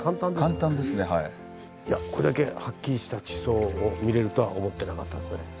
これだけはっきりした地層を見れるとは思ってなかったですね。